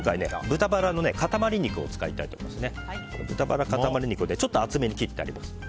豚バラ塊肉をちょっと厚めに切ってあります。